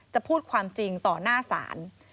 จะพูดความจริงต่อหน้าศาล